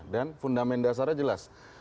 dan fundament dasarnya jelas